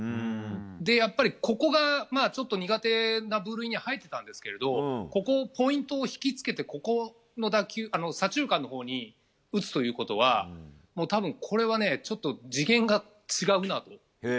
やっぱり、ここがちょっと苦手な部類に入ってたんですけれどここポイントを引き付けてこの打球、左中間のほうに打つということは多分、これはちょっと次元が違うなと。